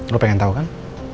lo pengen tau kan